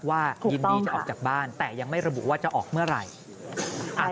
ยินดีจะออกจากบ้านแต่ยังไม่ระบุว่าจะออกเมื่อไหร่